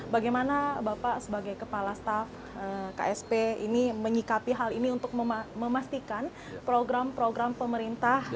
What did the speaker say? bagaimana bapak sebagai kepala staf ksp ini menyikapi hal ini untuk memastikan program program pemerintah